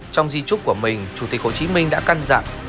trong di trúc của mình chủ tịch hồ chí minh đã căn dặn